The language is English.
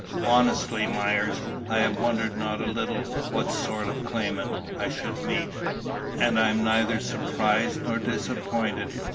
"Honestly, Myers, I have wondered not a little what sort of claimant I should meet, and I am neither surprised nor disappointed.